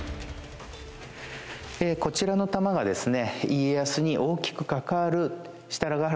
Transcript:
こちらの弾がですね